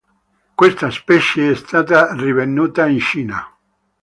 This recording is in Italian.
Questa specie è stata rinvenuta in Cina.